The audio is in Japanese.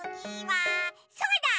そうだ！